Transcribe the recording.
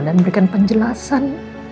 dan memberikan penjelasan